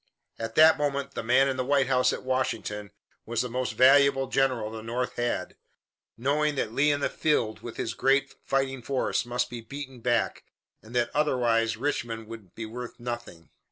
At that moment the man in the White House at Washington was the most valuable general the North had, knowing that Lee in the field with his great fighting force must be beaten back, and that otherwise Richmond would be worth nothing.